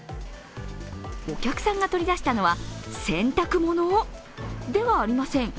お客さんが取り出したのは洗濯物？ではありません。